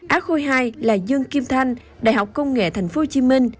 á khôi ii là dương kim thanh đại học công nghệ tp hcm